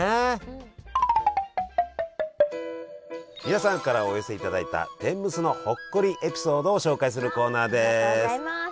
皆さんからお寄せいただいた天むすのほっこりエピソードを紹介するコーナーです。